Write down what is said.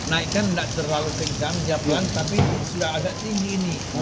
karena air naikkan tidak terlalu kencang dia pelan tapi sudah agak tinggi ini